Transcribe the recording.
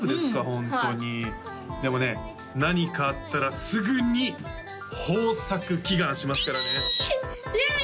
ホントにでもね何かあったらすぐに「豊作祈願」しますからねキー！